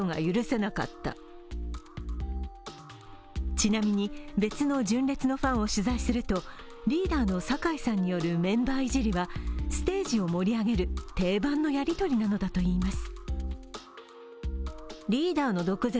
ちなみに、別の純烈のファンを取材するとリーダーの酒井さんによるメンバーいじりはステージを盛り上げる定番のやり取りなのだといいます。